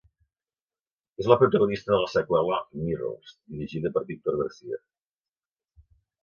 És la protagonista de la seqüela "Mirrors", dirigida per Victor Garcia.